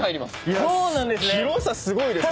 広さすごいですね。